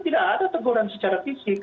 tidak ada teguran secara fisik